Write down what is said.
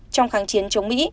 trong kháng chiến chống mỹ